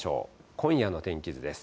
今夜の天気図です。